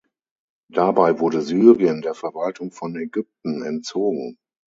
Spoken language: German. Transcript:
Dabei wurde Syrien der Verwaltung von Ägypten entzogen.